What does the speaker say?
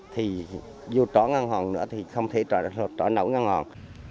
thì vô trở ngăn hòn nữa thì không thể trở nổi ngăn hòn